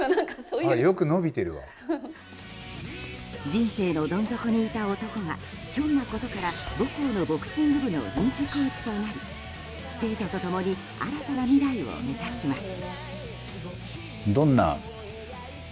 人生のどん底にいた男がひょんなことから母校のボクシング部の臨時コーチとなり生徒と共に新たな未来を目指します。